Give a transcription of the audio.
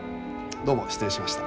どうも失礼しました。